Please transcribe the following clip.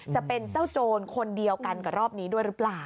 จะเป็นเจ้าโจรคนเดียวกันกับรอบนี้ด้วยหรือเปล่า